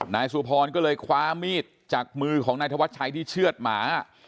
นายสุพรก็เลยคว้ามีดจากมือของนายธวัชชัยที่เชื่อดหมา